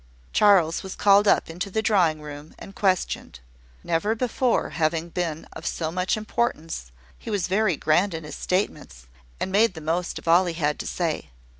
Charles was called up into the drawing room, and questioned. Never before having been of so much importance, he was very grand in his statements, and made the most of all he had to say.